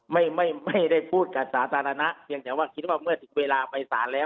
ไม่ไม่ได้พูดกับสาธารณะเพียงแต่ว่าคิดว่าเมื่อถึงเวลาไปสารแล้ว